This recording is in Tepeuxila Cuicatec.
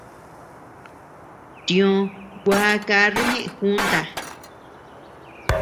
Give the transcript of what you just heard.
Tiʼö gua karru ñeʼe junta.